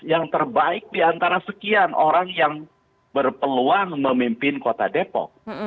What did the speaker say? yang terbaik diantara sekian orang yang berpeluang memimpin kota depok